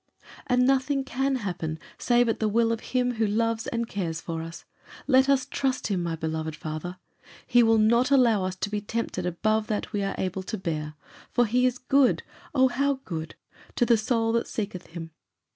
"And nothing can happen save at the will of Him who loves and cares for us. Let us trust him, my beloved father. He will not allow us to be tempted above that we are able to bear. For he is good oh, how good! to the soul that seeketh him.